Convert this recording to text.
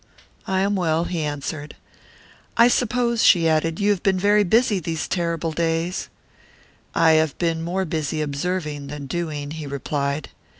"I am well," he answered. "I suppose," she added, "you have been very busy these terrible days." "I have been more busy observing than doing," he replied.